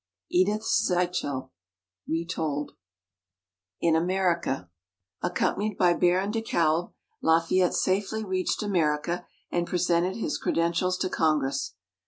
Edith Sichel (Retold) IN AMERICA Accompanied by Baron de Kalb, Lafayette safely reached America, and presented his credentials to Congress.